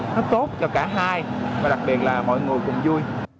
rất tốt cho cả hai và đặc biệt là mọi người cùng vui